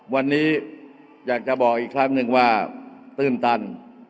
วันนี้อยากจะบอกอีกครั้งหนึ่งว่าตื้นตัน